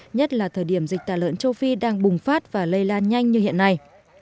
nhất là thời điểm dịch tả lợn châu phi đang bùng phát và lây lan nhanh như hiện nay